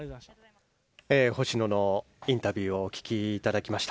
星野のインタビューをお聞きいただきました。